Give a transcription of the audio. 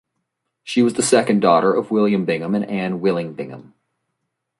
She was the second daughter of William Bingham and Ann Willing Bingham.